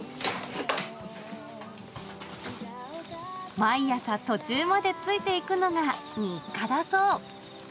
毎朝途中までついていくのが日課だそう。